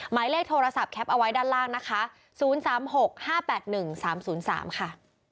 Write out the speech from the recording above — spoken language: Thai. หมายเลขโทรศัพท์แคปเอาไว้ด้านล่างนะคะ๐๓๖๕๘๑๓๐๓ค่ะ